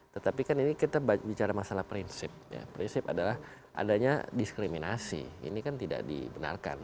tetapi kan ini kita bicara masalah prinsip ya prinsip adalah adanya diskriminasi ini kan tidak dibenarkan